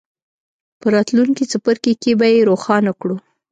په راتلونکي څپرکي کې به یې روښانه کړو.